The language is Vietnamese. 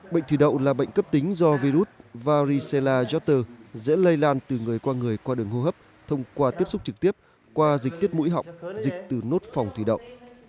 bệnh thủy đậu là bệnh cấp tính do virus varisela orter dễ lây lan từ người qua người qua đường hô hấp thông qua tiếp xúc trực tiếp qua dịch tiết mũi họng dịch từ nốt phòng thủy đậu